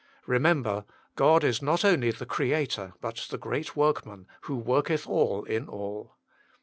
Remember, God is not only the Creator, but the Great Workman, who worketh all in all.